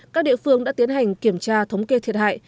các địa phương đã tiến hành kiểm tra thống kê thiệt hại